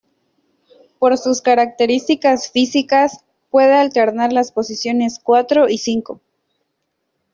Por sus características físicas, puede alternar las posiciones cuatro y cinco.